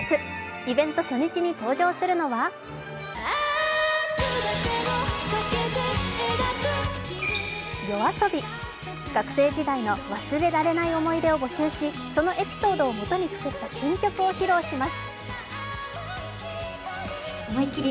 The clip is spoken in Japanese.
イベント初日に登場するのはＹＯＡＳＯＢＩ、学生時代の忘れられない思い出を募集し、そのエピソードをもとに作った新曲を披露します。